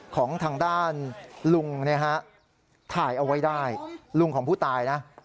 ของทางด้านลุงถ่ายเอาไว้ได้ลุงของผู้ตายนะ